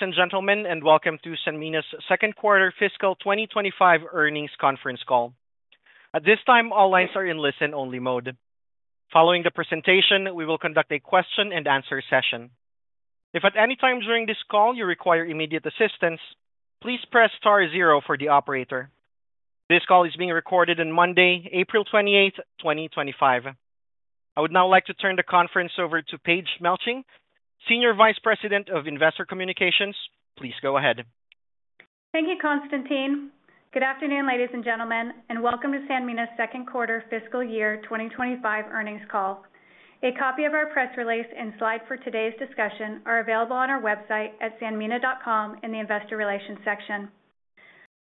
Ladies and gentlemen, welcome to Sanmina's Second Quarter Fiscal 2025 Earnings Conference Call. At this time, all lines are in listen-only mode. Following the presentation, we will conduct a question-and-answer session. If at any time during this call you require immediate assistance, please press star zero for the operator. This call is being recorded on Monday, April 28, 2025. I would now like to turn the conference over to Paige Melching, Senior Vice President of Investor Communications. Please go ahead. Thank you, Konstantin. Good afternoon, ladies and gentlemen, and welcome to Sanmina's Second Quarter Fiscal Year 2025 Earnings Call. A copy of our press release and slide for today's discussion are available on our website at sanmina.com in the Investor Relations section.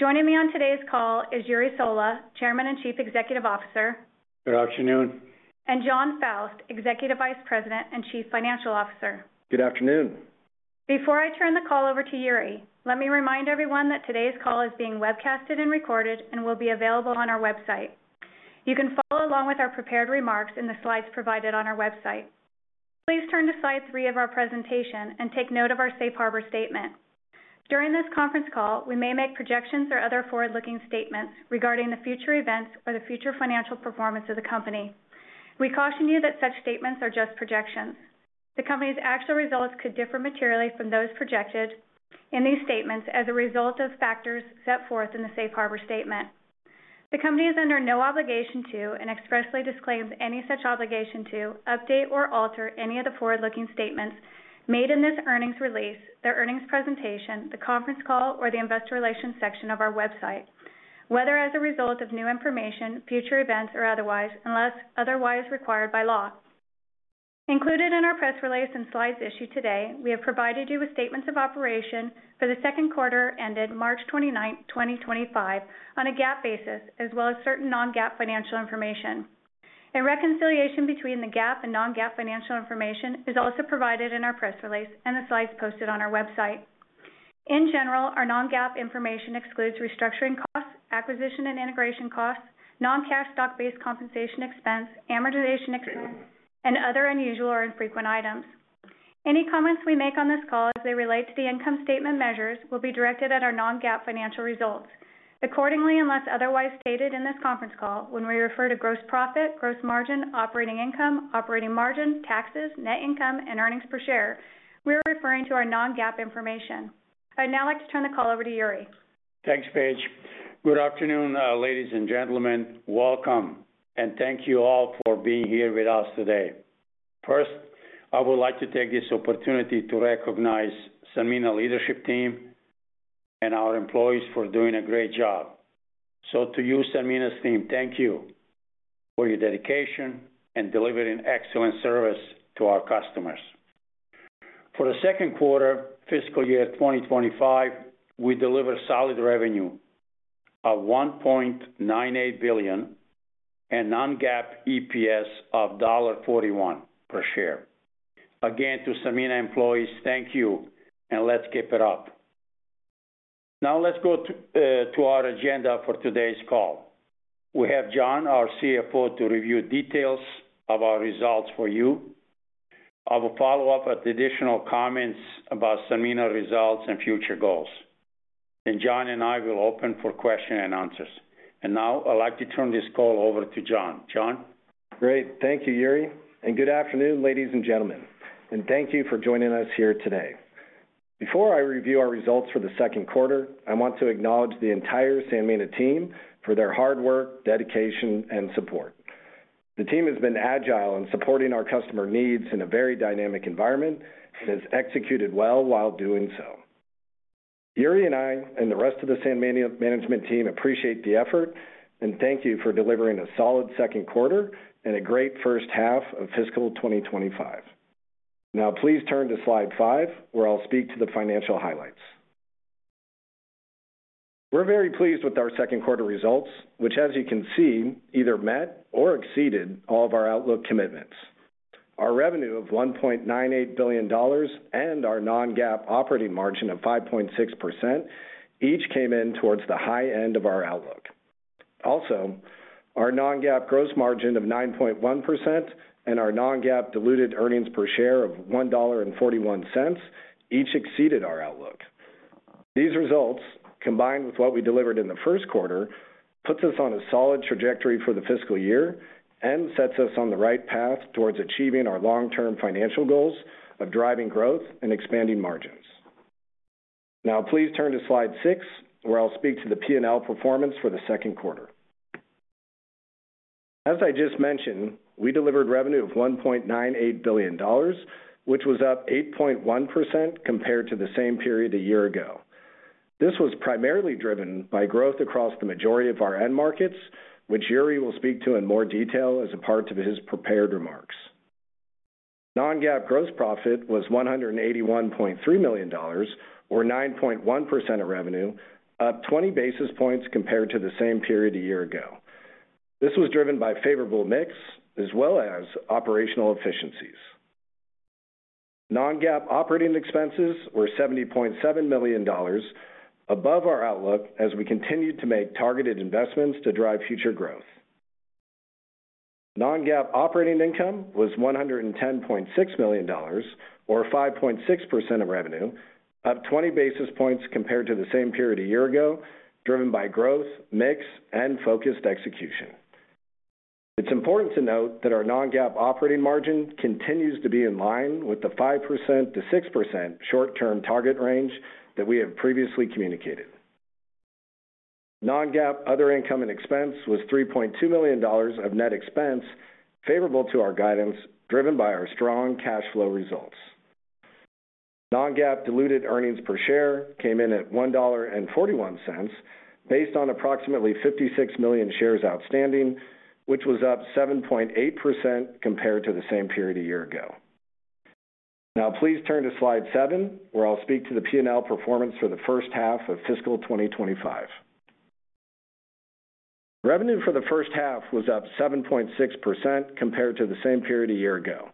Joining me on today's call is Jure Sola, Chairman and Chief Executive Officer. Good afternoon. Jon Faust, Executive Vice President and Chief Financial Officer. Good afternoon. Before I turn the call over to Jure, let me remind everyone that today's call is being webcast and recorded and will be available on our website. You can follow along with our prepared remarks in the slides provided on our website. Please turn to slide three of our presentation and take note of our Safe Harbor Statement. During this conference call, we may make projections or other forward-looking statements regarding the future events or the future financial performance of the company. We caution you that such statements are just projections. The company's actual results could differ materially from those projected in these statements as a result of factors set forth in the Safe Harbor Statement. The company is under no obligation to, and expressly disclaims any such obligation to, update or alter any of the forward-looking statements made in this earnings release, the earnings presentation, the conference call, or the Investor Relations section of our website, whether as a result of new information, future events, or otherwise, unless otherwise required by law. Included in our press release and slides issued today, we have provided you with statements of operation for the second quarter ended March 29, 2025, on a GAAP basis, as well as certain non-GAAP financial information. A reconciliation between the GAAP and non-GAAP financial information is also provided in our press release and the slides posted on our website. In general, our non-GAAP information excludes restructuring costs, acquisition and integration costs, non-cash stock-based compensation expense, amortization expense, and other unusual or infrequent items. Any comments we make on this call as they relate to the income statement measures will be directed at our non-GAAP financial results. Accordingly, unless otherwise stated in this conference call when we refer to gross profit, gross margin, operating income, operating margin, taxes, net income, and earnings per share, we are referring to our non-GAAP information. I'd now like to turn the call over to Jure. Thanks, Paige. Good afternoon, ladies and gentlemen. Welcome, and thank you all for being here with us today. First, I would like to take this opportunity to recognize Sanmina's leadership team and our employees for doing a great job. To you, Sanmina's team, thank you for your dedication in delivering excellent service to our customers. For the second quarter fiscal year 2025, we deliver solid revenue of $1.98 billion and non-GAAP EPS of $1.41 per share. Again, to Sanmina employees, thank you, and let's keep it up. Now let's go to our agenda for today's call. We have Jon, our CFO, to review details of our results for you. I will follow up with additional comments about Sanmina results and future goals. Jon and I will open for questions and answers. Now I'd like to turn this call over to Jon. Jon. Great. Thank you, Jure. Good afternoon, ladies and gentlemen. Thank you for joining us here today. Before I review our results for the second quarter, I want to acknowledge the entire Sanmina team for their hard work, dedication, and support. The team has been agile in supporting our customer needs in a very dynamic environment and has executed well while doing so. Jure and I and the rest of the Sanmina management team appreciate the effort, and thank you for delivering a solid second quarter and a great first half of fiscal 2025. Now please turn to slide five, where I'll speak to the financial highlights. We're very pleased with our second quarter results, which, as you can see, either met or exceeded all of our outlook commitments. Our revenue of $1.98 billion and our non-GAAP operating margin of 5.6% each came in towards the high end of our outlook. Also, our non-GAAP gross margin of 9.1% and our non-GAAP diluted earnings per share of $1.41 each exceeded our outlook. These results, combined with what we delivered in the first quarter, put us on a solid trajectory for the fiscal year and set us on the right path towards achieving our long-term financial goals of driving growth and expanding margins. Now please turn to slide six, where I'll speak to the P&L performance for the second quarter. As I just mentioned, we delivered revenue of $1.98 billion, which was up 8.1% compared to the same period a year ago. This was primarily driven by growth across the majority of our end markets, which Jure will speak to in more detail as a part of his prepared remarks. Non-GAAP gross profit was $181.3 million, or 9.1% of revenue, up 20 basis points compared to the same period a year ago. This was driven by favorable mix as well as operational efficiencies. Non-GAAP operating expenses were $70.7 million, above our outlook as we continued to make targeted investments to drive future growth. Non-GAAP operating income was $110.6 million, or 5.6% of revenue, up 20 basis points compared to the same period a year ago, driven by growth, mix, and focused execution. It's important to note that our non-GAAP operating margin continues to be in line with the 5%-6% short-term target range that we have previously communicated. Non-GAAP other income and expense was $3.2 million of net expense, favorable to our guidance, driven by our strong cash flow results. Non-GAAP diluted earnings per share came in at $1.41 based on approximately 56 million shares outstanding, which was up 7.8% compared to the same period a year ago. Now please turn to slide seven, where I'll speak to the P&L performance for the first half of fiscal 2025. Revenue for the first half was up 7.6% compared to the same period a year ago.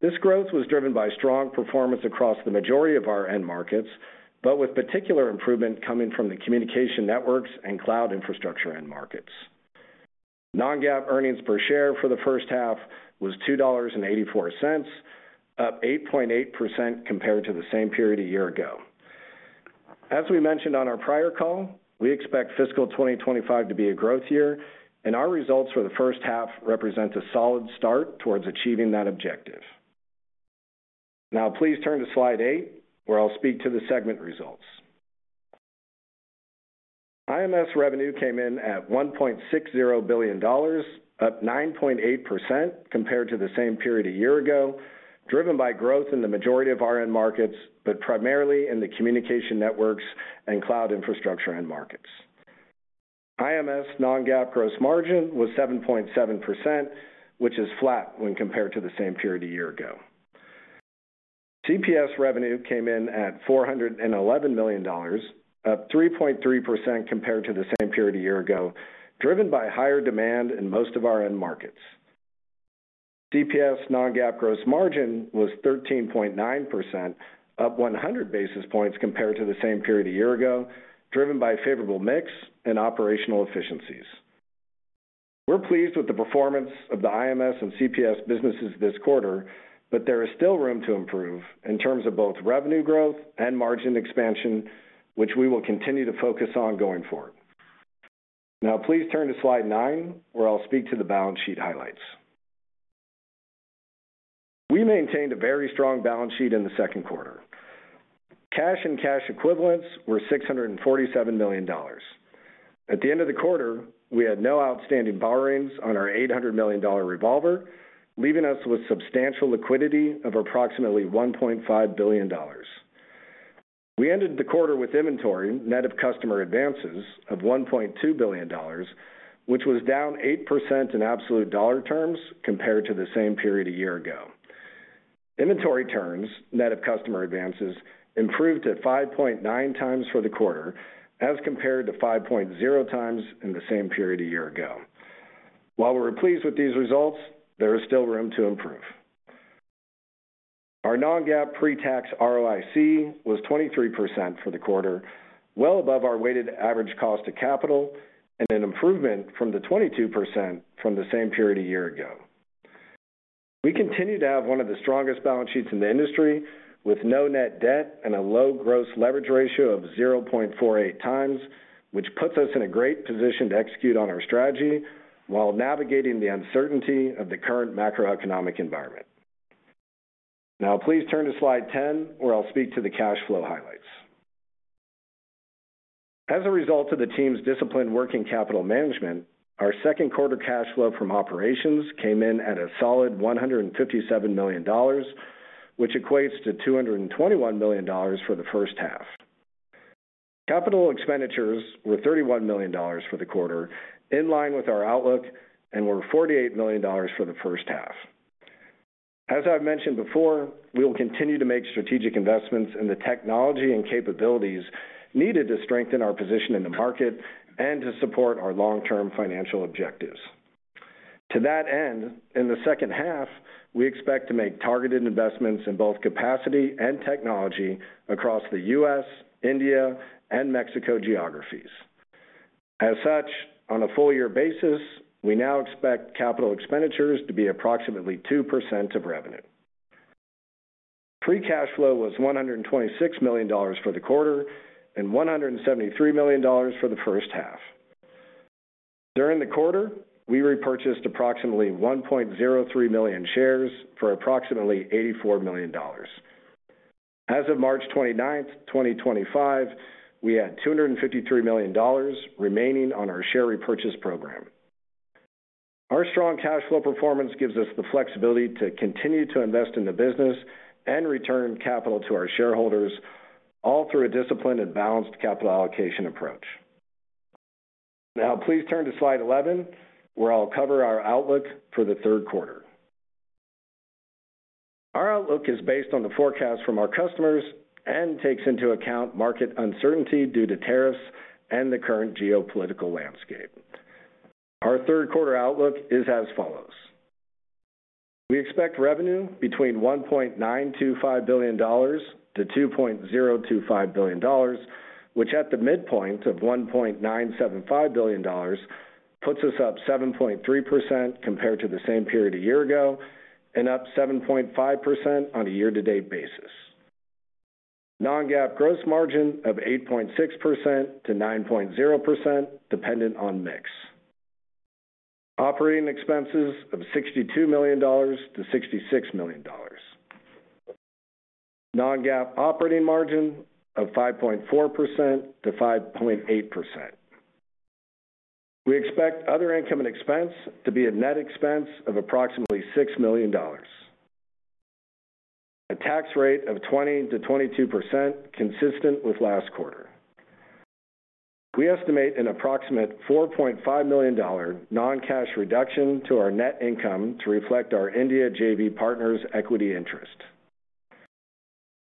This growth was driven by strong performance across the majority of our end markets, with particular improvement coming from the communication networks and cloud infrastructure end markets. Non-GAAP earnings per share for the first half was $2.84, up 8.8% compared to the same period a year ago. As we mentioned on our prior call, we expect fiscal 2025 to be a growth year, and our results for the first half represent a solid start towards achieving that objective. Now please turn to slide eight, where I'll speak to the segment results. IMS revenue came in at $1.60 billion, up 9.8% compared to the same period a year ago, driven by growth in the majority of our end markets, but primarily in the communication networks and cloud infrastructure end markets. IMS non-GAAP gross margin was 7.7%, which is flat when compared to the same period a year ago. CPS revenue came in at $411 million, up 3.3% compared to the same period a year ago, driven by higher demand in most of our end markets. CPS non-GAAP gross margin was 13.9%, up 100 basis points compared to the same period a year ago, driven by favorable mix and operational efficiencies. We're pleased with the performance of the IMS and CPS businesses this quarter, but there is still room to improve in terms of both revenue growth and margin expansion, which we will continue to focus on going forward. Now please turn to slide nine, where I'll speak to the balance sheet highlights. We maintained a very strong balance sheet in the second quarter. Cash and cash equivalents were $647 million. At the end of the quarter, we had no outstanding borrowings on our $800 million revolver, leaving us with substantial liquidity of approximately $1.5 billion. We ended the quarter with inventory net of customer advances of $1.2 billion, which was down 8% in absolute dollar terms compared to the same period a year ago. Inventory turns net of customer advances improved to 5.9 times for the quarter as compared to 5.0 times in the same period a year ago. While we're pleased with these results, there is still room to improve. Our non-GAAP pre-tax ROIC was 23% for the quarter, well above our weighted average cost of capital, and an improvement from the 22% from the same period a year ago. We continue to have one of the strongest balance sheets in the industry, with no net debt and a low gross leverage ratio of 0.48 times, which puts us in a great position to execute on our strategy while navigating the uncertainty of the current macroeconomic environment. Now please turn to slide ten, where I'll speak to the cash flow highlights. As a result of the team's disciplined work in capital management, our second quarter cash flow from operations came in at a solid $157 million, which equates to $221 million for the first half. Capital expenditures were $31 million for the quarter, in line with our outlook, and were $48 million for the first half. As I've mentioned before, we will continue to make strategic investments in the technology and capabilities needed to strengthen our position in the market and to support our long-term financial objectives. To that end, in the second half, we expect to make targeted investments in both capacity and technology across the US, India, and Mexico geographies. As such, on a full-year basis, we now expect capital expenditures to be approximately 2% of revenue. Free cash flow was $126 million for the quarter and $173 million for the first half. During the quarter, we repurchased approximately 1.03 million shares for approximately $84 million. As of March 29, 2025, we had $253 million remaining on our share repurchase program. Our strong cash flow performance gives us the flexibility to continue to invest in the business and return capital to our shareholders, all through a disciplined and balanced capital allocation approach. Now please turn to slide 11, where I'll cover our outlook for the third quarter. Our outlook is based on the forecast from our customers and takes into account market uncertainty due to tariffs and the current geopolitical landscape. Our third quarter outlook is as follows. We expect revenue between $1.925 billion-$2.025 billion, which at the midpoint of $1.975 billion puts us up 7.3% compared to the same period a year ago and up 7.5% on a year-to-date basis. Non-GAAP gross margin of 8.6%-9.0%, dependent on mix. Operating expenses of $62 million-$66 million. Non-GAAP operating margin of 5.4%-5.8%. We expect other income and expense to be a net expense of approximately $6 million. A tax rate of 20-22%, consistent with last quarter. We estimate an approximate $4.5 million non-cash reduction to our net income to reflect our India JV partner's equity interest.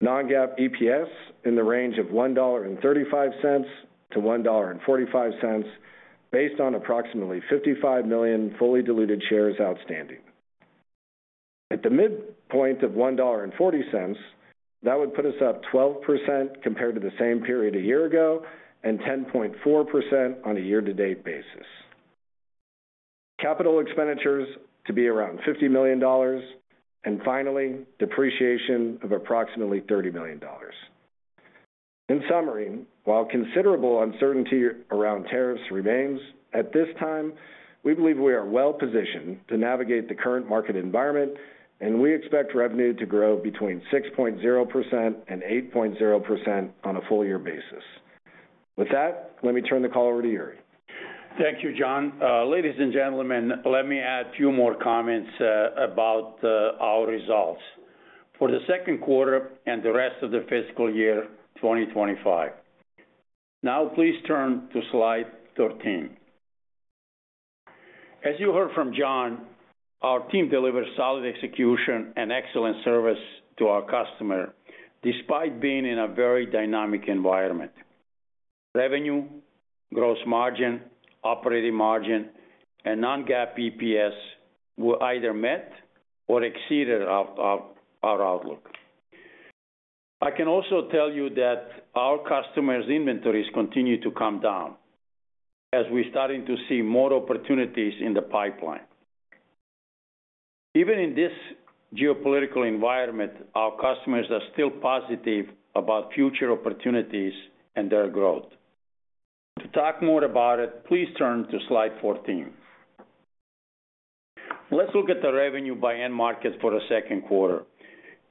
Non-GAAP EPS in the range of $1.35-$1.45 based on approximately 55 million fully diluted shares outstanding. At the midpoint of $1.40, that would put us up 12% compared to the same period a year ago and 10.4% on a year-to-date basis. Capital expenditures to be around $50 million, and finally, depreciation of approximately $30 million. In summary, while considerable uncertainty around tariffs remains, at this time, we believe we are well positioned to navigate the current market environment, and we expect revenue to grow between 6.0% and 8.0% on a full-year basis. With that, let me turn the call over to Jure. Thank you, Jon. Ladies and gentlemen, let me add a few more comments about our results for the second quarter and the rest of the fiscal year 2025. Now please turn to slide 13. As you heard from Jon, our team delivers solid execution and excellent service to our customers despite being in a very dynamic environment. Revenue, gross margin, operating margin, and non-GAAP EPS were either met or exceeded our outlook. I can also tell you that our customers' inventories continue to come down as we're starting to see more opportunities in the pipeline. Even in this geopolitical environment, our customers are still positive about future opportunities and their growth. To talk more about it, please turn to slide 14. Let's look at the revenue by end markets for the second quarter.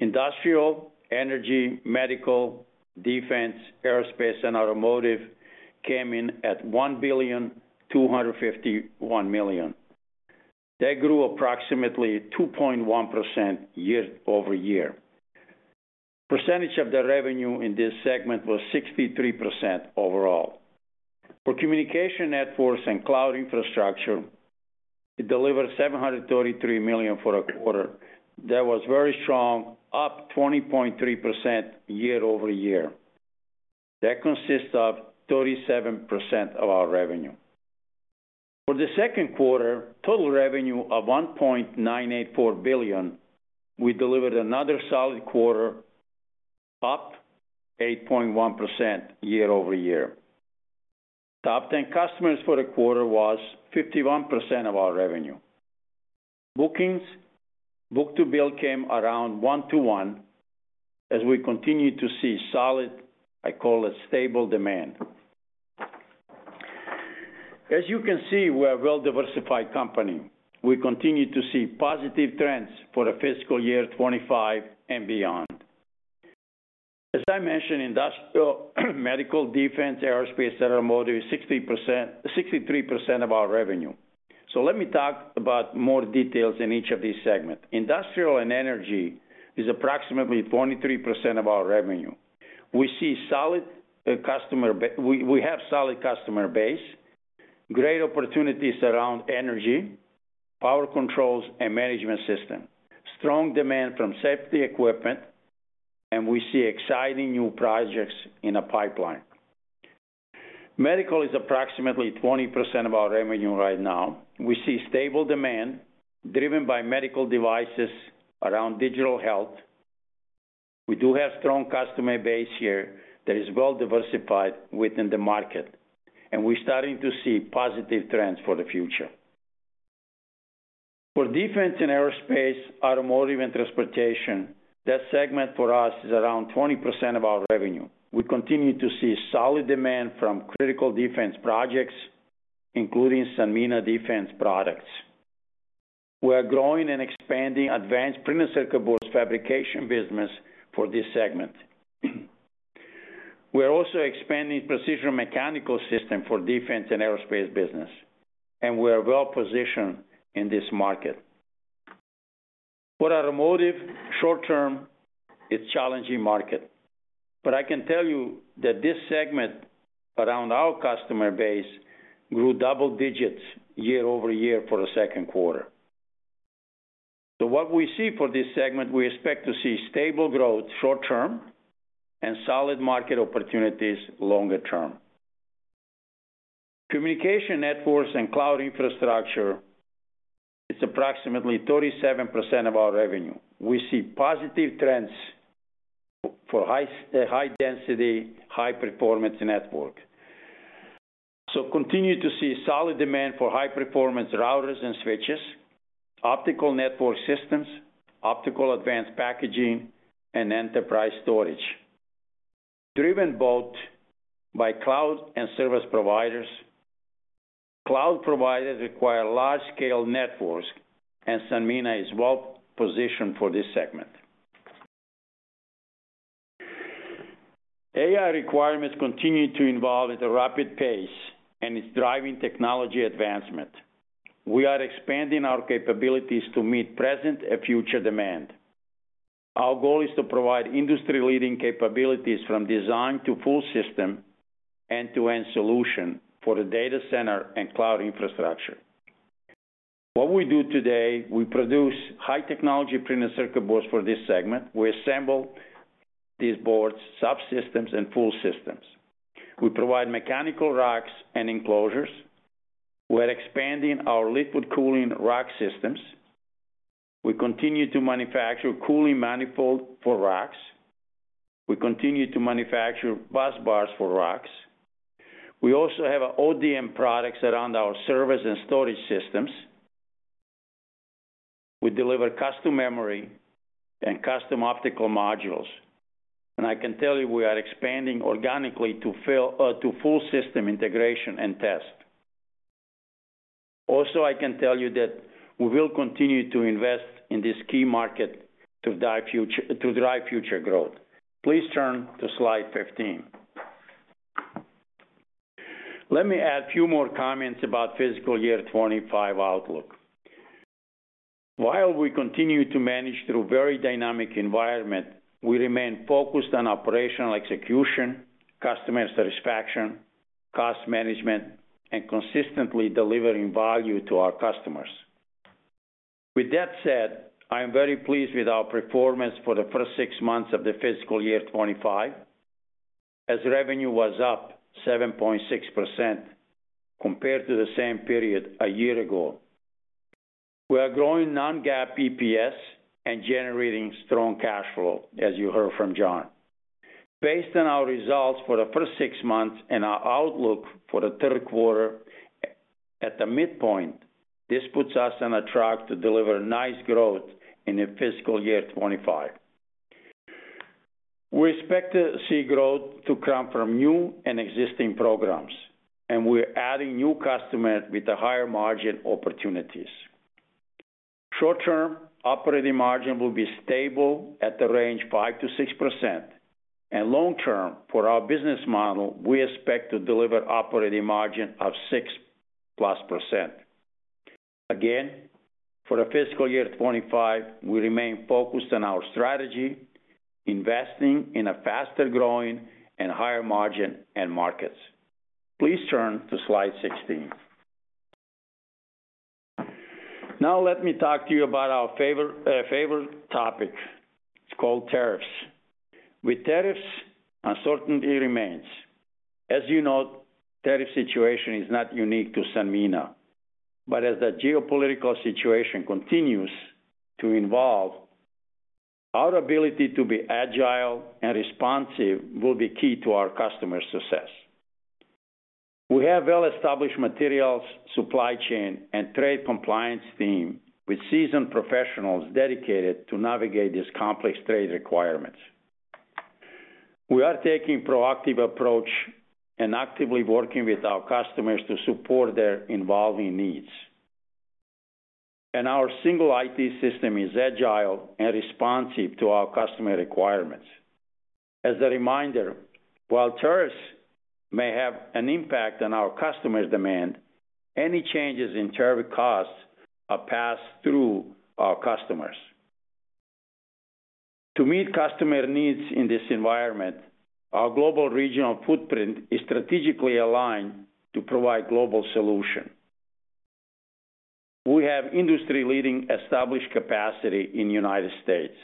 Industrial, energy, medical, defense, aerospace, and automotive came in at $1.251 billion. They grew approximately 2.1% year over year. Percentage of the revenue in this segment was 63% overall. For communication networks and cloud infrastructure, it delivered $733 million for the quarter. That was very strong, up 20.3% year over year. That consists of 37% of our revenue. For the second quarter, total revenue of $1.984 billion, we delivered another solid quarter, up 8.1% year over year. Top 10 customers for the quarter was 51% of our revenue. Bookings, book to bill came around 1 to 1 as we continue to see solid, I call it stable demand. As you can see, we're a well-diversified company. We continue to see positive trends for the fiscal year 2025 and beyond. As I mentioned, industrial, medical, defense, aerospace, and automotive is 63% of our revenue. Let me talk about more details in each of these segments. Industrial and energy is approximately 23% of our revenue. We see solid customer—we have solid customer base, great opportunities around energy, power controls, and management system. Strong demand from safety equipment, and we see exciting new projects in a pipeline. Medical is approximately 20% of our revenue right now. We see stable demand driven by medical devices around digital health. We do have strong customer base here that is well-diversified within the market, and we're starting to see positive trends for the future. For defense and aerospace, automotive and transportation, that segment for us is around 20% of our revenue. We continue to see solid demand from critical defense projects, including Sanmina Defense products. We're growing and expanding advanced printed circuit boards fabrication business for this segment. We're also expanding precision mechanical systems for defense and aerospace business, and we're well-positioned in this market. For automotive, short-term, it's a challenging market, but I can tell you that this segment around our customer base grew double digits year over year for the second quarter. What we see for this segment, we expect to see stable growth short-term and solid market opportunities longer-term. Communication networks and cloud infrastructure is approximately 37% of our revenue. We see positive trends for high-density, high-performance network. We continue to see solid demand for high-performance routers and switches, optical network systems, optical advanced packaging, and enterprise storage. Driven both by cloud and service providers, cloud providers require large-scale networks, and Sanmina is well-positioned for this segment. AI requirements continue to evolve at a rapid pace, and it's driving technology advancement. We are expanding our capabilities to meet present and future demand. Our goal is to provide industry-leading capabilities from design to full system end-to-end solution for the data center and cloud infrastructure. What we do today, we produce high-technology printed circuit boards for this segment. We assemble these boards, subsystems, and full systems. We provide mechanical racks and enclosures. We are expanding our liquid cooling rack systems. We continue to manufacture cooling manifolds for racks. We continue to manufacture bus bars for racks. We also have ODM products around our service and storage systems. We deliver custom memory and custom optical modules. I can tell you we are expanding organically to full system integration and test. Also, I can tell you that we will continue to invest in this key market to drive future growth. Please turn to slide 15. Let me add a few more comments about fiscal year 2025 outlook. While we continue to manage through a very dynamic environment, we remain focused on operational execution, customer satisfaction, cost management, and consistently delivering value to our customers. With that said, I'm very pleased with our performance for the first six months of the fiscal year 2025, as revenue was up 7.6% compared to the same period a year ago. We are growing non-GAAP EPS and generating strong cash flow, as you heard from Jon. Based on our results for the first six months and our outlook for the third quarter at the midpoint, this puts us on a track to deliver nice growth in the fiscal year 2025. We expect to see growth to come from new and existing programs, and we're adding new customers with higher margin opportunities. Short-term, operating margin will be stable at the range of 5-6%. Long-term, for our business model, we expect to deliver operating margin of 6% plus. Again, for the fiscal year 2025, we remain focused on our strategy, investing in a faster-growing and higher-margin market. Please turn to slide 16. Now let me talk to you about our favorite topic. It's called tariffs. With tariffs, uncertainty remains. As you know, the tariff situation is not unique to Sanmina, but as the geopolitical situation continues to evolve, our ability to be agile and responsive will be key to our customer success. We have well-established materials, supply chain, and trade compliance teams with seasoned professionals dedicated to navigate these complex trade requirements. We are taking a proactive approach and actively working with our customers to support their evolving needs. Our single IT system is agile and responsive to our customer requirements. As a reminder, while tariffs may have an impact on our customers' demand, any changes in tariff costs are passed through our customers. To meet customer needs in this environment, our global regional footprint is strategically aligned to provide global solutions. We have industry-leading established capacity in the United States.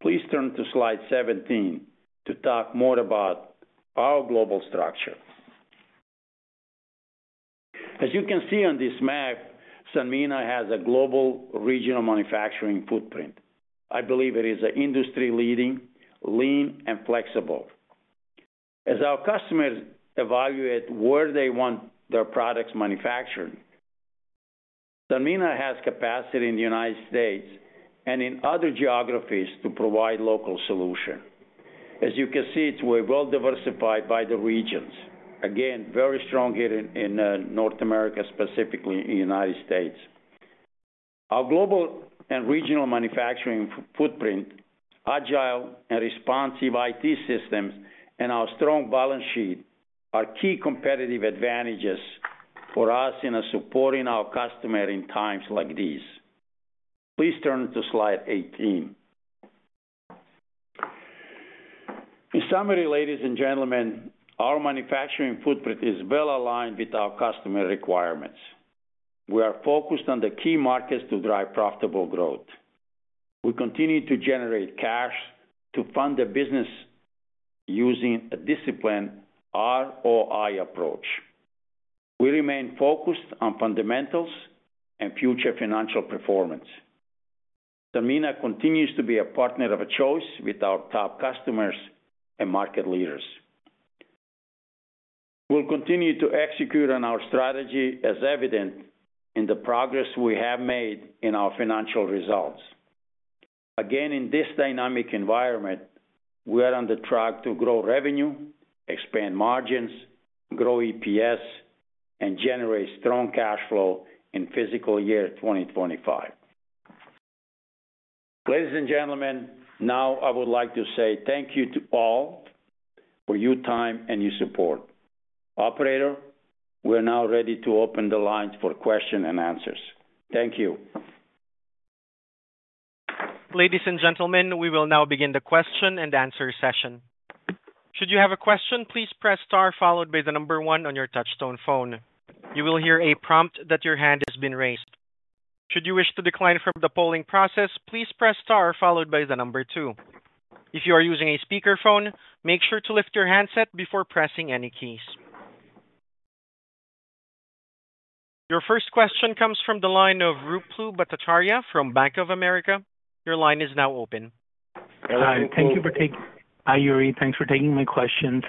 Please turn to slide 17 to talk more about our global structure. As you can see on this map, Sanmina has a global regional manufacturing footprint. I believe it is industry-leading, lean, and flexible. As our customers evaluate where they want their products manufactured, Sanmina has capacity in the United States and in other geographies to provide local solutions. As you can see, it is well-diversified by the regions. Again, very strong here in North America, specifically in the United States. Our global and regional manufacturing footprint, agile and responsive IT systems, and our strong balance sheet are key competitive advantages for us in supporting our customers in times like these. Please turn to slide 18. In summary, ladies and gentlemen, our manufacturing footprint is well aligned with our customer requirements. We are focused on the key markets to drive profitable growth. We continue to generate cash to fund the business using a disciplined ROI approach. We remain focused on fundamentals and future financial performance. Sanmina continues to be a partner of choice with our top customers and market leaders. We'll continue to execute on our strategy, as evident in the progress we have made in our financial results. Again, in this dynamic environment, we are on the track to grow revenue, expand margins, grow EPS, and generate strong cash flow in fiscal year 2025. Ladies and gentlemen, now I would like to say thank you to all for your time and your support. Operator, we're now ready to open the lines for questions and answers. Thank you. Ladies and gentlemen, we will now begin the question and answer session. Should you have a question, please press star followed by the number one on your touch-tone phone. You will hear a prompt that your hand has been raised. Should you wish to decline from the polling process, please press star followed by the number two. If you are using a speakerphone, make sure to lift your handset before pressing any keys. Your first question comes from the line of Ruplu Bhattacharya from Bank of America. Your line is now open. Thank you for taking my questions.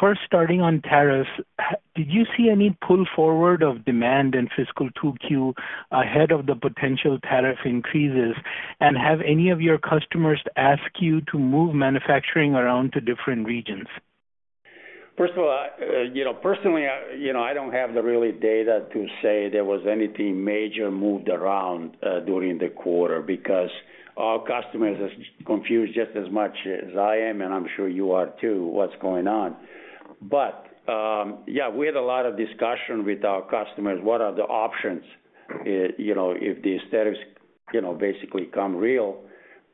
First, starting on tariffs, did you see any pull forward of demand in fiscal 2Q ahead of the potential tariff increases, and have any of your customers asked you to move manufacturing around to different regions? First of all, personally, I don't have the really data to say there was anything major moved around during the quarter because our customers are confused just as much as I am, and I'm sure you are too what's going on. Yeah, we had a lot of discussion with our customers what are the options if these tariffs basically come real.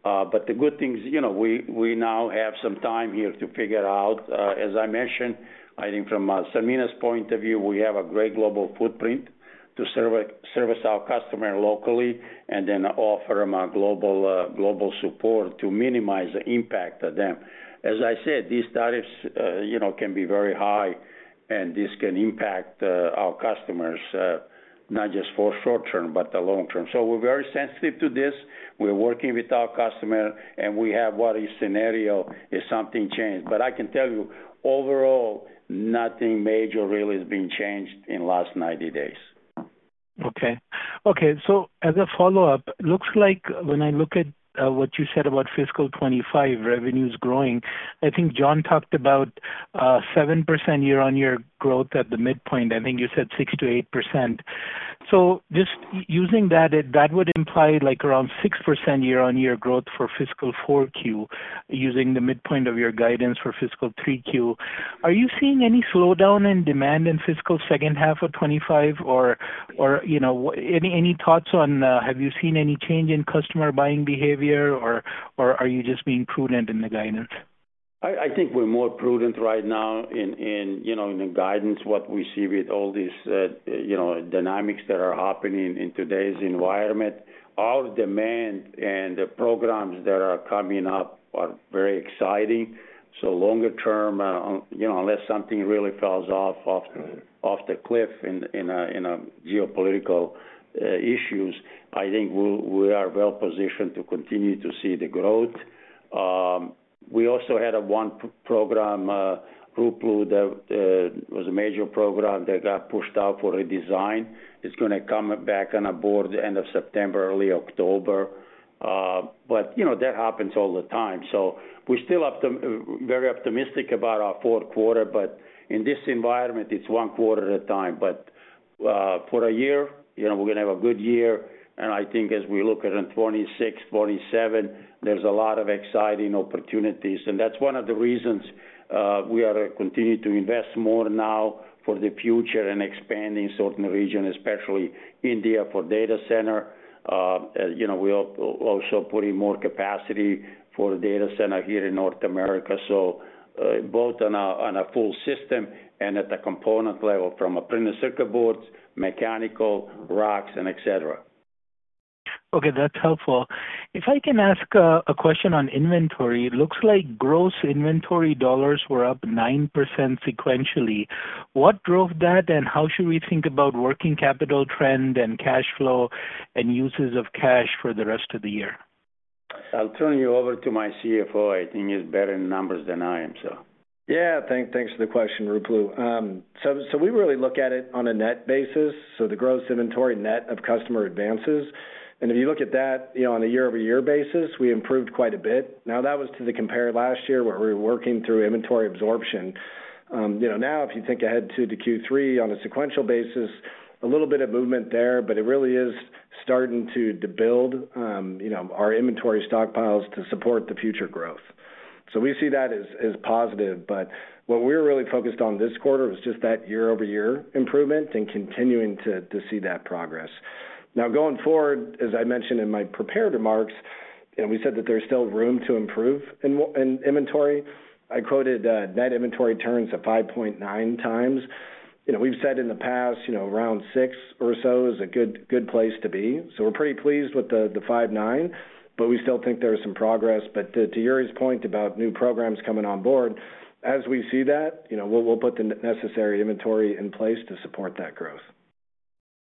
The good thing is we now have some time here to figure out. As I mentioned, I think from Sanmina's point of view, we have a great global footprint to service our customers locally and then offer them global support to minimize the impact on them. As I said, these tariffs can be very high, and this can impact our customers not just for short-term but the long-term. We are very sensitive to this. We are working with our customer, and we have what a scenario if something changes. I can tell you, overall, nothing major really has been changed in the last 90 days Okay. Okay. As a follow-up, it looks like when I look at what you said about fiscal 2025 revenues growing, I think Jon talked about 7% year-on-year growth at the midpoint. I think you said 6-8%. Just using that, that would imply around 6% year-on-year growth for fiscal Q4 using the midpoint of your guidance for fiscal Q3. Are you seeing any slowdown in demand in fiscal second half of 2025, or any thoughts on have you seen any change in customer buying behavior, or are you just being prudent in the guidance? I think we're more prudent right now in the guidance, what we see with all these dynamics that are happening in today's environment. Our demand and the programs that are coming up are very exciting. Longer-term, unless something really falls off the cliff in geopolitical issues, I think we are well-positioned to continue to see the growth. We also had one program, Ruplu, that was a major program that got pushed out for redesign. It's going to come back on a board end of September, early October. That happens all the time. We are still very optimistic about our fourth quarter, but in this environment, it's one quarter at a time. For a year, we're going to have a good year. I think as we look at 2026, 2027, there's a lot of exciting opportunities. That's one of the reasons we are continuing to invest more now for the future and expanding certain regions, especially India for data center. We're also putting more capacity for the data center here in North America, so both on a full system and at the component level from printed circuit boards, mechanical, racks, and etc. Okay. That's helpful. If I can ask a question on inventory, it looks like gross inventory dollars were up 9% sequentially. What drove that, and how should we think about working capital trend and cash flow and uses of cash for the rest of the year? I'll turn you over to my CFO. I think he's better in numbers than I am, so. Yeah. Thanks for the question, Ruplu. We really look at it on a net basis, so the gross inventory net of customer advances. If you look at that on a year-over-year basis, we improved quite a bit. That was to the compare last year where we were working through inventory absorption. If you think ahead to Q3 on a sequential basis, a little bit of movement there, but it really is starting to build our inventory stockpiles to support the future growth. We see that as positive. What we're really focused on this quarter was just that year-over-year improvement and continuing to see that progress. Going forward, as I mentioned in my prepared remarks, we said that there's still room to improve in inventory. I quoted net inventory turns at 5.9 times. We've said in the past around six or so is a good place to be. We're pretty pleased with the 5.9, but we still think there is some progress. To Jure's point about new programs coming on board, as we see that, we'll put the necessary inventory in place to support that growth.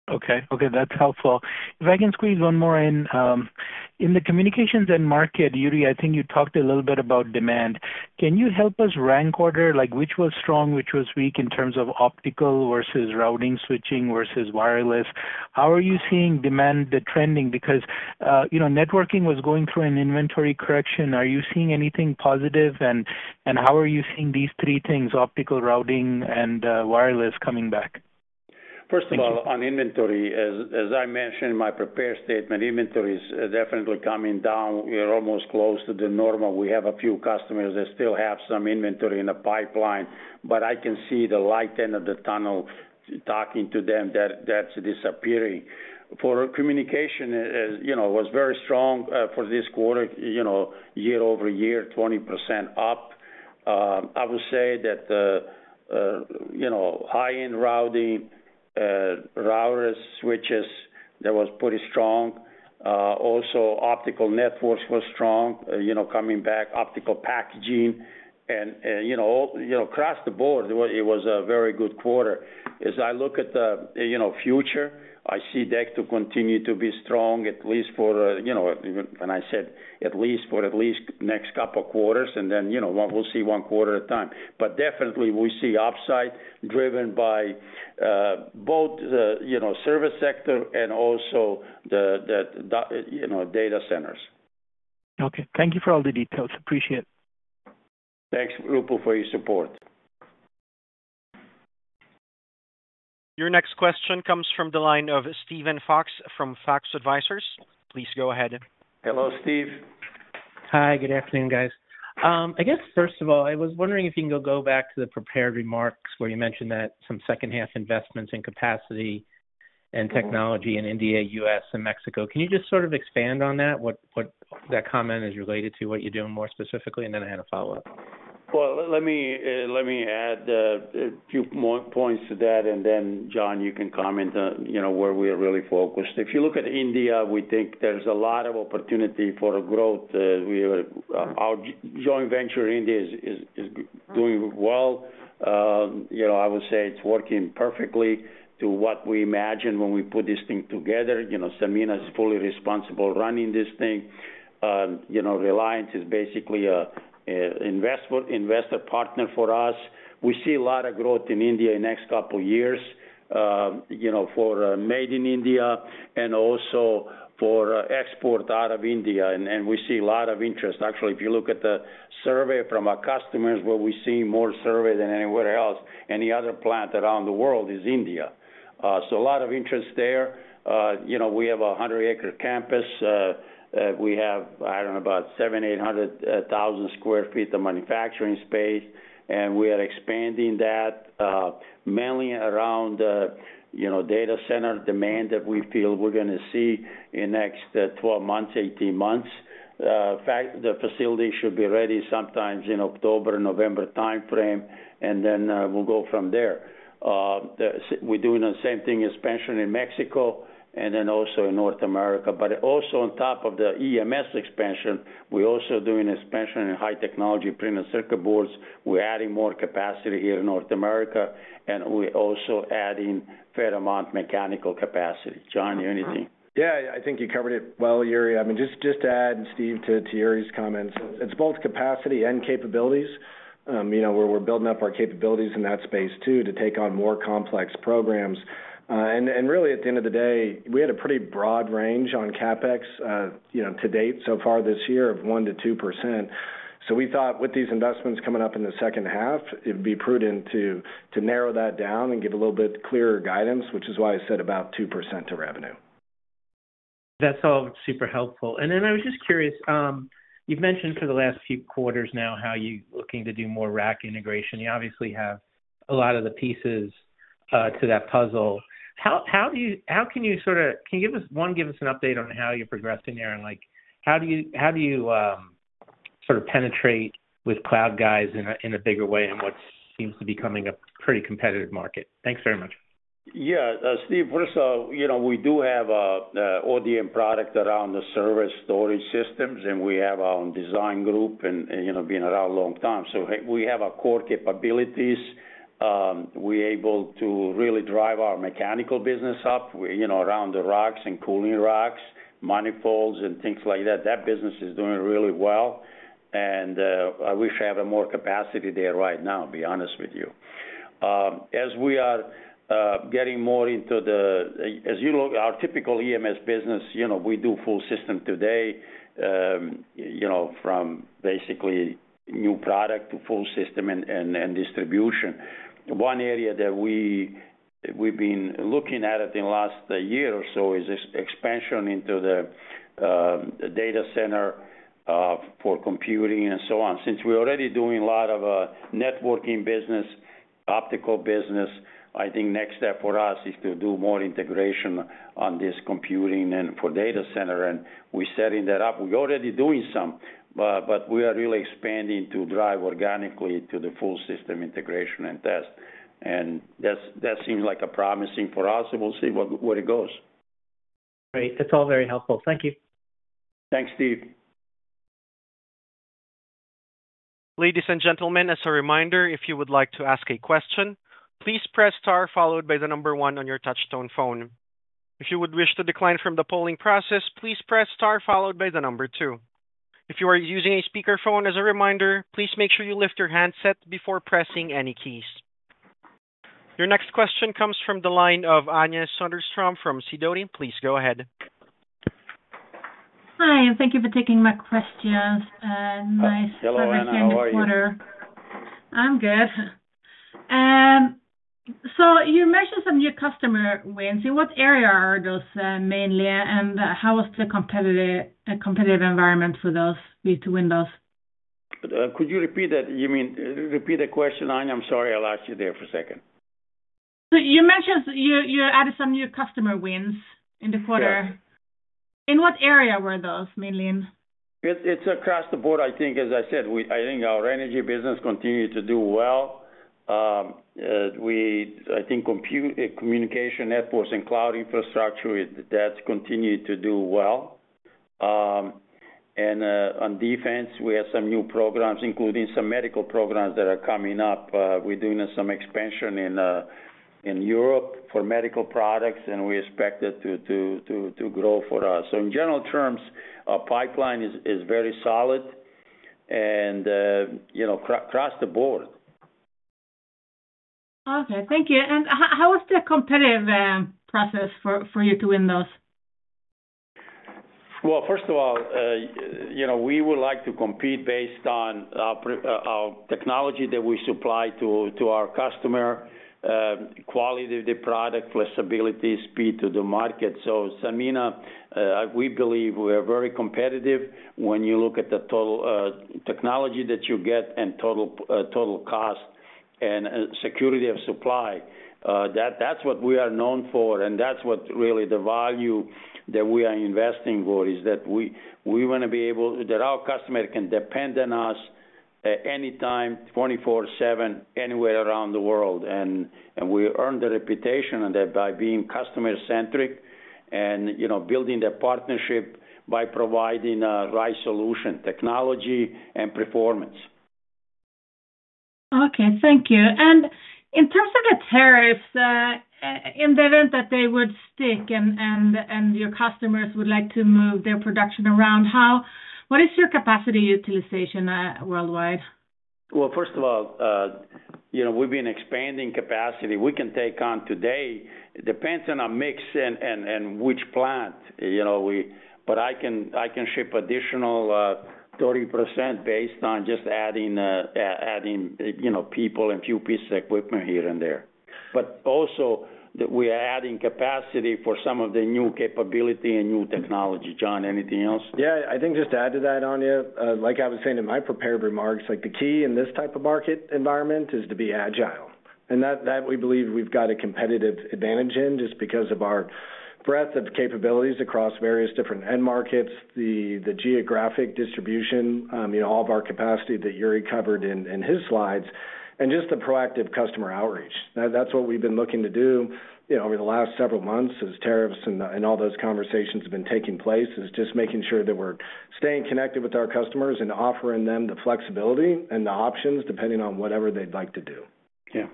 Okay. That's helpful. If I can squeeze one more in. In the communications end market, Jure, I think you talked a little bit about demand. Can you help us rank order which was strong, which was weak in terms of optical versus routing switching versus wireless? How are you seeing demand trending? Because networking was going through an inventory correction. Are you seeing anything positive, and how are you seeing these three things, optical, routing, and wireless coming back? First of all, on inventory, as I mentioned in my prepared statement, inventory is definitely coming down. We're almost close to the normal. We have a few customers that still have some inventory in the pipeline, but I can see the light end of the tunnel talking to them that's disappearing. For communication, it was very strong for this quarter, year-over-year, 20% up. I would say that high-end routing, routers, switches, that was pretty strong. Also, optical networks were strong coming back, optical packaging, and across the board, it was a very good quarter. As I look at the future, I see Datacom to continue to be strong, at least for, and I said, at least for at least next couple of quarters, and then we'll see one quarter at a time. Definitely, we see upside driven by both the service sector and also the data centers. Okay. Thank you for all the details. Appreciate it. Thanks, Ruplu, for your support. Your next question comes from the line of Steven Fox from Fox Advisors. Please go ahead. Hello, Steve. Hi. Good afternoon, guys. I guess, first of all, I was wondering if you can go back to the prepared remarks where you mentioned that some second-half investments in capacity and technology in India, U.S., and Mexico. Can you just sort of expand on that, what that comment is related to, what you're doing more specifically? I had a follow-up. Let me add a few more points to that, and then Jon, you can comment on where we are really focused. If you look at India, we think there's a lot of opportunity for growth. Our joint venture in India is doing well. I would say it's working perfectly to what we imagined when we put this thing together. Sanmina is fully responsible running this thing. Reliance is basically an investor partner for us. We see a lot of growth in India in the next couple of years for made in India and also for export out of India. Actually, if you look at the survey from our customers, where we're seeing more survey than anywhere else, any other plant around the world is India. A lot of interest there. We have a 100-acre campus. We have, I don't know, about 700,000-800,000 sq ft of manufacturing space, and we are expanding that mainly around data center demand that we feel we're going to see in the next 12-18 months. The facility should be ready sometime in October, November timeframe, and then we'll go from there. We're doing the same thing, expansion in Mexico and then also in North America. Also, on top of the EMS expansion, we're also doing expansion in high-technology printed circuit boards. We're adding more capacity here in North America, and we're also adding a fair amount of mechanical capacity. Jon, you h ave anything? Yeah. I think you covered it well, Jure. I mean, just to add, Steve, to Jure's comments, it's both capacity and capabilities. We're building up our capabilities in that space too to take on more complex programs. At the end of the day, we had a pretty broad range on CapEx to date so far this year of 1-2%. We thought with these investments coming up in the second half, it would be prudent to narrow that down and give a little bit clearer guidance, which is why I said about 2% to revenue. That's all super helpful. I was just curious, you've mentioned for the last few quarters now how you're looking to do more rack integration. You obviously have a lot of the pieces to that puzzle. How can you sort of give us an update on how you're progressing there? How do you sort of penetrate with cloud guys in a bigger way in what seems to be becoming a pretty competitive market? Thanks very much. Y eah. Steve, first of all, we do have ODM product around the service storage systems, and we have our own design group and been around a long time. We have our core capabilities. We're able to really drive our mechanical business up around the racks and cooling racks, manifolds, and things like that. That business is doing really well. I wish I had more capacity there right now, to be honest with you. As we are getting more into the, as you look, our typical EMS business, we do full system today from basically new product to full system and distribution. One area that we've been looking at in the last year or so is expansion into the data center for computing and so on. Since we're already doing a lot of networking business, optical business, I think next step for us is to do more integration on this computing and for data center. We're setting that up. We're already doing some, but we are really expanding to drive organically to the full system integration and test. That seems like a promising for us, and we'll see where it goes. Great. That's all very helpful. Thank you. Thanks, Steve. Ladies and gentlemen, as a reminder, if you would like to ask a question, please press star followed by the number one on your touchstone phone. If you would wish to decline from the polling process, please press star followed by the number two. If you are using a speakerphone, as a reminder, please make sure you lift your handset before pressing any keys. Your next question comes from the line of Anja Soderstrom from Sidoti. Please go ahead. Hi. Thank you for taking my questions. Nice. Hello, everyone. Have a quarter. I'm good. You mentioned some new customer wins. In what area are those mainly, and how was the competitive environment for those with Windows? Could you repeat that? You mean repeat the question, Anja? I'm sorry. I lost you there for a second. You mentioned you added some new customer wins in the quarter. In what area were those mainly in? It's across the board, I think. As I said, I think our energy business continued to do well. I think communication, networks, and cloud infrastructure, that's continued to do well. On defense, we have some new programs, including some medical programs that are coming up. We're doing some expansion in Europe for medical products, and we expect it to grow for us. In general terms, our pipeline is very solid and across the board. Okay. Thank you. How was the competitive process for you to win those? First of all, we would like to compete based on our technology that we supply to our customer, quality of the product, flexibility, speed to the market. Sanmina, we believe we are very competitive when you look at the total technology that you get and total cost and security of supply. That is what we are known for, and that is what really the value that we are investing for is that we want to be able that our customer can depend on us anytime, 24/7, anywhere around the world. We earned the reputation of that by being customer-centric and building the partnership by providing the right solution, technology, and performance. Thank you. In terms of the tariffs, in the event that they would stick and your customers would like to move their production around, what is your capacity utilization worldwide? First of all, we've been expanding capacity. We can take on today. It depends on our mix and which plant. I can ship additional 30% based on just adding people and a few pieces of equipment here and there. We are adding capacity for some of the new capability and new technology. Jon, anything else? Yeah. I think just to add to that, Anja, like I was saying in my prepared remarks, the key in this type of market environment is to be agile. We believe we've got a competitive advantage in just because of our breadth of capabilities across various different end markets, the geographic distribution, all of our capacity that Jure covered in his slides, and just the proactive customer outreach. That's what we've been looking to do over the last several months as tariffs and all those conversations have been taking place, is just making sure that we're staying connected with our customers and offering them the flexibility and the options depending on whatever they'd like to do. Yeah.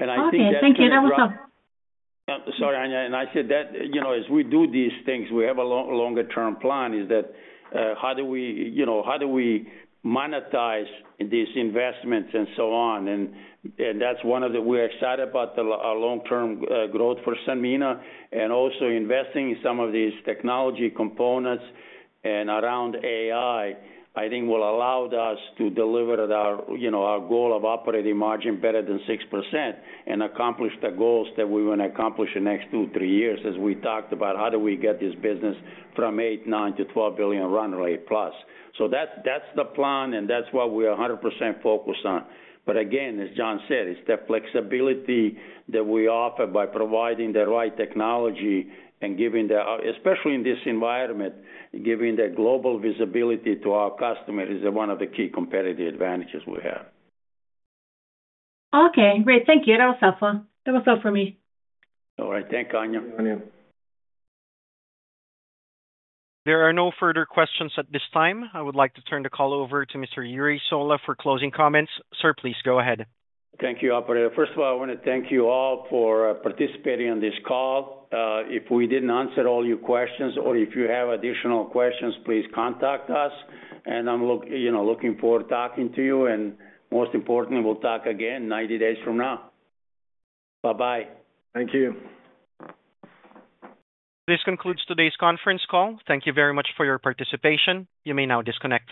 I think that's a— Okay. Thank you. That was a— Sorry, Anja. I said that as we do these things, we have a longer-term plan is that how do we monetize these investments and so on? That's one of the—we're excited about our long-term growth for Sanmina and also investing in some of these technology components and around AI, I think will allow us to deliver our goal of operating margin better than 6% and accomplish the goals that we want to accomplish in the next two, three years as we talked about how do we get this business from 8, 9, to 12 billion run rate plus. That's the plan, and that's what we are 100% focused on. Again, as Jon said, it's the flexibility that we offer by providing the right technology and giving the—especially in this environment, giving the global visibility to our customers is one of the key competitive advantages we have. Okay. Great. Thank you. That was helpful. That was all for me. All right. Thank you, Anja. Anja. There are no further questions at this time. I would like to turn the call over to Mr. Jure Sola for closing comments. Sir, please go ahead. Thank you, operator. First of all, I want to thank you all for participating in this call. If we did not answer all your questions or if you have additional questions, please contact us. I am looking forward to talking to you. Most importantly, we will talk again 90 days from now. Bye-bye. Thank you. This concludes today's conference call. Thank you very much for your participation. You may now disconnect.